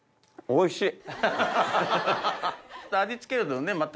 おいしい。